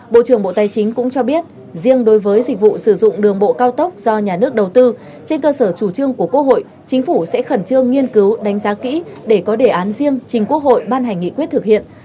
bộ trưởng bộ tài chính cũng cho biết riêng đối với dịch vụ sử dụng đường bộ cao tốc do nhà nước đầu tư trên cơ sở chủ trương của quốc hội chính phủ sẽ khẩn trương nghiên cứu đánh giá kỹ để có đề án riêng trình quốc hội ban hành nghị quyết thực hiện